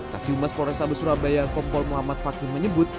kasiumas polres sabah surabaya kompol muhammad fakih menyebut